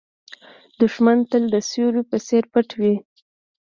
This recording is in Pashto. دښمن تل د سیوري په څېر پټ وي